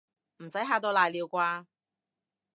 唔使嚇到瀨尿啩